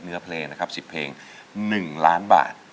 เนื้อเพลงนะครับ๑๐เพลง๑ล้านบาท